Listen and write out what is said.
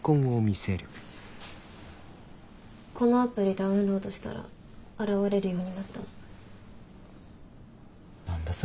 このアプリダウンロードしたら現れるようになったの。